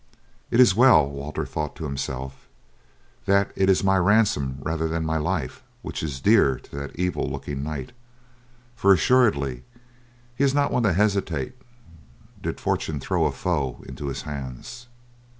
"It is well," Walter thought to himself, "that it is my ransom rather than my life which is dear to that evil looking knight; for, assuredly, he is not one to hesitate did fortune throw a foe into his hands."